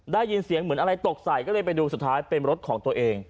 ได้ยินเสียงเหมือนอะไรตกใส่ก็เลยไปดูสุดท้ายเป็นรถของตัวเอง